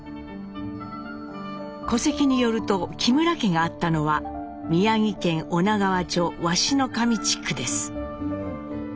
戸籍によると木村家があったのは宮城県女川町鷲神地区です。